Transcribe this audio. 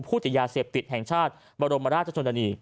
ติดยาเสพติดแห่งชาติบรมราชชนนานี